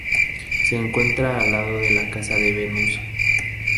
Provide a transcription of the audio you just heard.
Se encuentra al lado de la Casa de Venus.